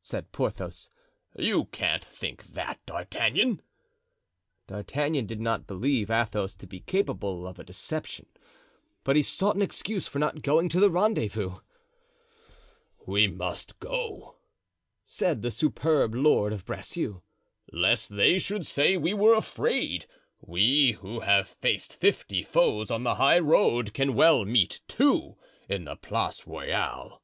said Porthos, "you can't think that, D'Artagnan!" D'Artagnan did not believe Athos to be capable of a deception, but he sought an excuse for not going to the rendezvous. "We must go," said the superb lord of Bracieux, "lest they should say we were afraid. We who have faced fifty foes on the high road can well meet two in the Place Royale."